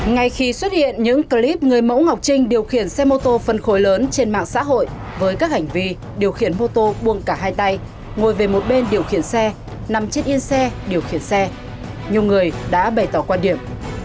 ngay khi xuất hiện những clip người mẫu ngọc trinh điều khiển xe mô tô phân khối lớn trên mạng xã hội với các hành vi điều khiển mô tô buông cả hai tay ngồi về một bên điều khiển xe nằm trên yên xe điều khiển xe nhiều người đã bày tỏ quan điểm